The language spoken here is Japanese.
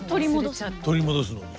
取り戻すのに？